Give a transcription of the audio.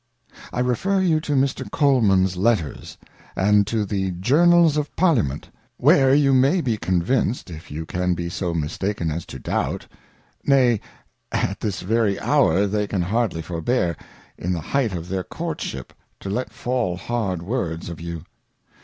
I refer you to Mr. Coleman's Letters, and to the Journals of Parliament, where you may be convinced, if you can be so mistaken as to doubt ; nay, at this very hour, they can hardly forbear, in the height of their Courtship, to let fall hard Words of you.